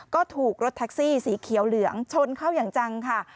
ก็ถูกรถแท็กซี่สีเขียวเหลืองชนเข้าอย่างจังค่ะ